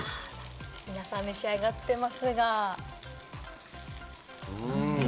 皆さん召し上がってますが。